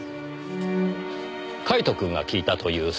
カイトくんが聞いたという鈴の音。